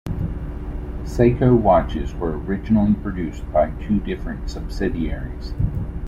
Seiko watches were originally produced by two different subsidiaries.